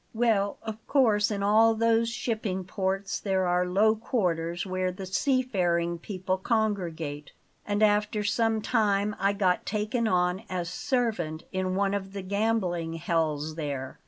Well of course in all those shipping ports there are low quarters where the sea faring people congregate; and after some time I got taken on as servant in one of the gambling hells there.